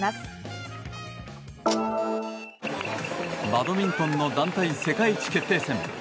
バドミントンの団体世界一決定戦。